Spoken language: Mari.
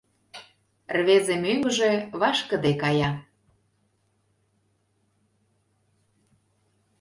Рвезе мӧҥгыжӧ вашкыде кая.